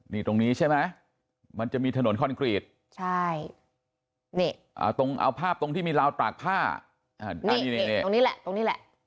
นี่ตรงนี้ใช่ไหมมันจะมีถนนคอนกรีตใช่นี่ตรงเอาภาพตรงที่มีราวตากผ้านี่ตรงนี้แหละตรงนี้แหละ